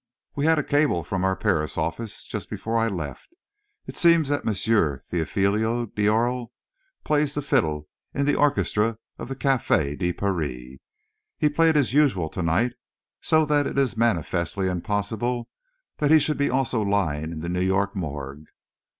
"We had a cable from our Paris office just before I left. It seems that M. Théophile d'Aurelle plays the fiddle in the orchestra of the Café de Paris. He played as usual to night, so that it is manifestly impossible that he should also be lying in the New York morgue.